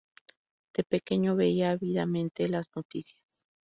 De pequeño, veía ávidamente las noticias.